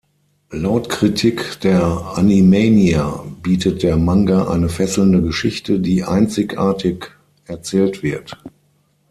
Laut Kritik der AnimaniA bietet der Manga eine fesselnde Geschichte, die einzigartig erzählt wird.